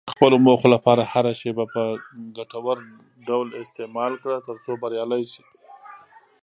د خپلو موخو لپاره هره شېبه په ګټور ډول استعمال کړه، ترڅو بریالی شې.